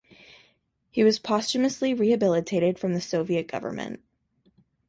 He was posthumously rehabilitated by the Soviet government.